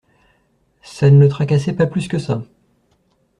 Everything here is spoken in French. Ça ne le tracassait pas plus que ça.